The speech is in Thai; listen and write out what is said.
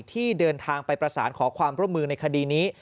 ที่เดินทางไปประสานขอความร่วมมือในคดีนี้